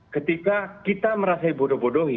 ketika kita merasa bodoh bodohi